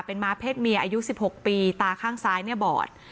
เป็นม้าเพศเมียอายุ๑๖ปีตาข้างซ้ายเนี่ยบอด